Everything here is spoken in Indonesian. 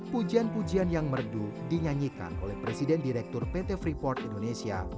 pujian pujian yang merdu dinyanyikan oleh presiden direktur pt freeport indonesia